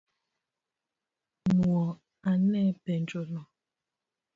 Nuo ane penjo no?